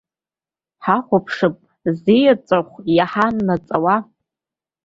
Ҳахәаԥшып зиеҵәахә иаҳа ннаҵуа.